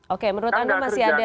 oke menurut anda masih ada